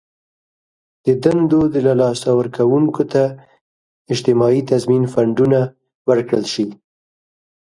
د دندو له لاسه ورکوونکو ته اجتماعي تضمین فنډونه ورکړل شي.